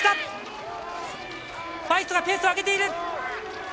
ファイスト、ペースを上げている。